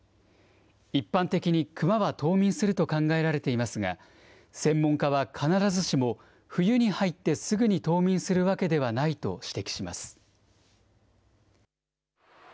一般的にクマは冬眠すると考えられていますが、専門家は必ずしも冬に入ってすぐに冬眠するわけではないと指摘します。